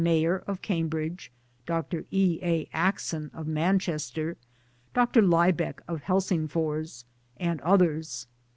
Mayor of Cambridge, Dr. E. A. Axon of Manchester, Dr. Lybeck of Helsingfors, and others.